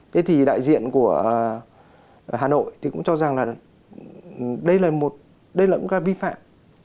thế thì đại diện của hà nội thì cũng cho rằng là đây là một đây là một cái vi phạm